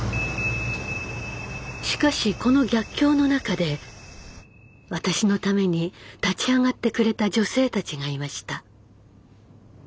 しかしこの逆境の中で私のために立ち上がってくれた女性たちがいました。